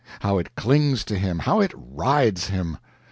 how it clings to him, how it rides him!